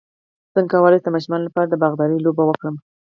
څنګه کولی شم د ماشومانو لپاره د باغدارۍ لوبې وکړم